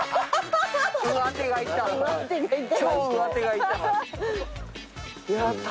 上手がいた。